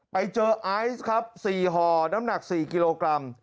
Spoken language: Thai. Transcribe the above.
ไปเจอไอซ์ครับ๔ห่อน้ำหนัก๔กิโลกรัม